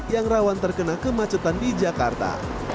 yang rawan terkena kemacetan di jakarta